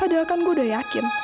padahal kan gue udah yakin